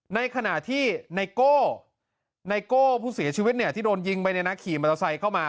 ในขณะที่ไนโก้ไนโก้ผู้เสียชีวิตที่โดนยิงไปเนี่ยนะขี่มอเตอร์ไซค์เข้ามา